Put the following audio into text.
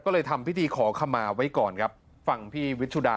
ก็เลยทำพิธีขอขมาไว้ก่อนครับฟังพี่วิชุดา